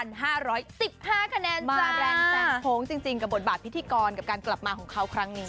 มาแรงแจ้งโพงจริงกับบทบาทพิธีกรกับการกลับมาของเขาครั้งนี้